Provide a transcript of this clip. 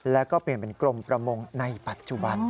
แล้วก็เปลี่ยนเป็นกรมประมงในปัจจุบัน